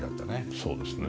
そうですね。